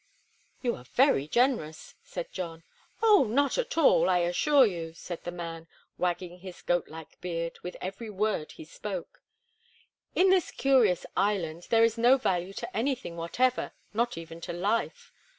"You are very generous," said John. "Oh, not at all, I assure you!" said the man, wagging his goatlike beard with every word he spoke. "In this curious island there is no value to anything whatever, not even to life.